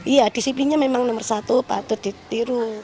iya disiplinnya memang nomor satu patut ditiru